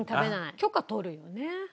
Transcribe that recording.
許可取るよね。